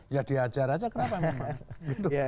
ya diajar aja kenapa memang